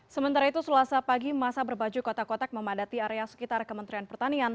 sementara itu selasa pagi masa berbaju kotak kotak memadati area sekitar kementerian pertanian